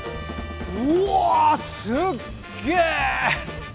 うわすっげえ！